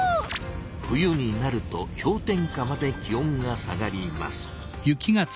冬になると氷点下まで気温が下がります。